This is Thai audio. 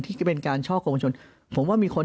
เพราะอาชญากรเขาต้องปล่อยเงิน